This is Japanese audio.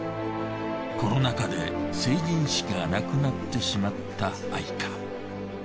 コロナ禍で成人式がなくなってしまった愛華。